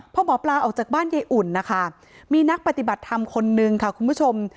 พอหมอปลาออกจากบ้านยายอุ่นนะคะมีนักปฏิบัติธรรมคนนึงค่ะคุณผู้ชม